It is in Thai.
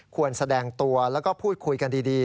แสดงตัวแล้วก็พูดคุยกันดี